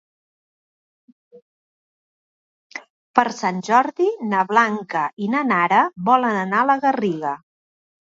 Per Sant Jordi na Blanca i na Nara volen anar a la Garriga.